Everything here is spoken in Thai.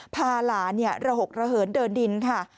พาหลานระหกระเหินเดินดินค่ะ